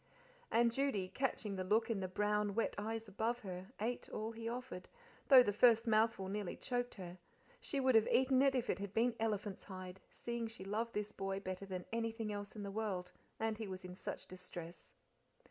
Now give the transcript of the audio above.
And Judy, catching the look in the brown, wet eyes above her, ate all he offered, though the first mouthful nearly choked her; she would have eaten it had it been elephant's hide, seeing she loved this boy better than anything else in the world, and he was in such distress.